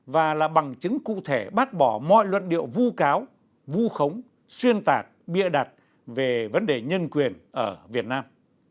và là bằng chứng cụ thể bác bỏ mọi luận điệu vu cáo vu khống xuyên tạc bịa đặt về vấn đề nhân quyền ở việt nam